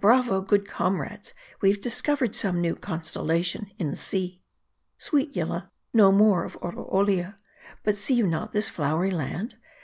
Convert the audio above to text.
Bravo ! good comrades, we've discovered some new constellation in the sea. Sweet Yillah, no more of Oroolia ; see you not this flow ery land ?